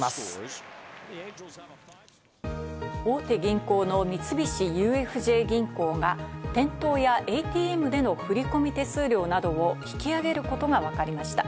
大手銀行の三菱ＵＦＪ銀行が店頭やＡＴＭでの振り込み手数料などを引き上げることがわかりました。